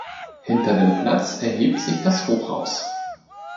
Hinter dem Platz erhebt sich das Hochhaus.